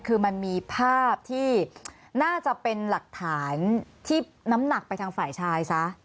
คือมันมีภาพที่น่าจะเป็นหลักฐานที่น้ำหนักไปทางฝ่ายชายซะ